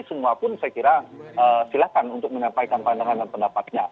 semuapun saya kira silakan untuk menampaikan pandangan dan pendapatnya